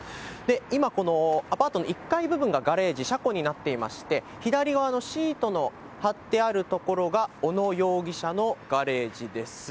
今、このアパートの１階部分がガレージ、車庫になっていまして、左側のシートの張ってある所が、小野容疑者のガレージです。